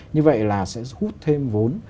như vậy là sẽ hút thêm vốn